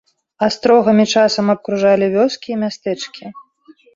Астрогамі часам абкружалі вёскі і мястэчкі.